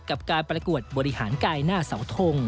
กับการประกวดบริหารกายหน้าเสาทง